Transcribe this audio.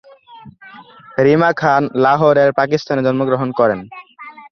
রিমা খান লাহোর এর পাকিস্তানে জন্মগ্রহণ করেন।